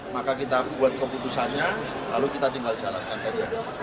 maka kita buat keputusannya lalu kita tinggal jalankan saja